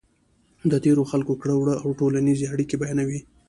د تېرو خلکو کړو وړه او ټولنیزې اړیکې بیانوي.